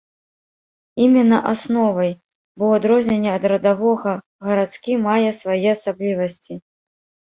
Іменна асновай, бо ў адрозненне ад радавога гарадскі мае свае асаблівасці.